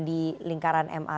di lingkaran ma